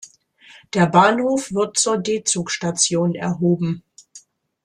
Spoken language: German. Der Bahnhof wird zur D-Zug-Station erhoben.